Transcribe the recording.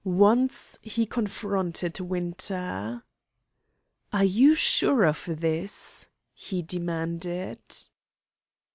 Once he confronted Winter. "Are you sure of this?" he demanded.